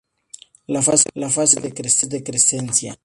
La fase actual es decreciente.